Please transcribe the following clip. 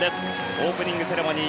オープニングセレモニー